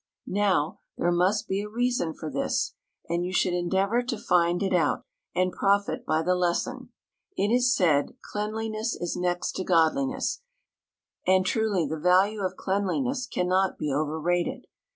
Now, there must be a reason for this, and you should endeavor to find it out and profit by the lesson. It is said ŌĆ£Cleanliness is next to godliness, ŌĆØ and truly the value of cleanliness cannot be overrated.